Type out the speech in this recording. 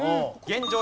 現状